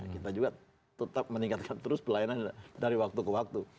kita juga tetap meningkatkan terus pelayanan dari waktu ke waktu